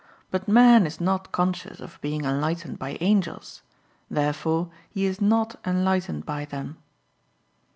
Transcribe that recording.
But man is not conscious of being enlightened by angels. Therefore he is not enlightened by them.